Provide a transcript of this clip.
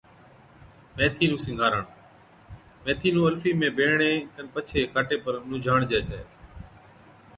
ميٿِي نُون سِينگارڻ، ميٿِي نُون الفِي ۾ بيڙڻي کن پڇي کاٽي پر نُونجھاڻجَي ڇَي